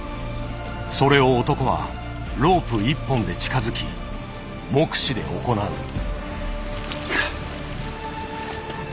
それを男はロープ１本で近づき目視で行う。